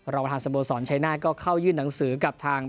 ประธานสโมสรชัยหน้าก็เข้ายื่นหนังสือกับทาง